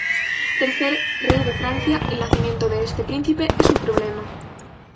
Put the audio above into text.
Tercer rey de Francia, el nacimiento de este príncipe es un problema.